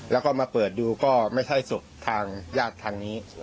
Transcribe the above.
แล้วก็มาเปิดดูก็ไม่ใช่ศพทางญาติทางนี้